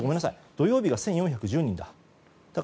土曜日が１４１０人だ。